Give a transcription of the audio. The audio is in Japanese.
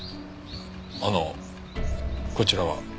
あのこちらは？